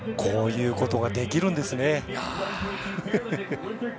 こういうことができるんですね。